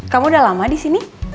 kamu udah lama disini